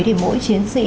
thì mỗi chiến sĩ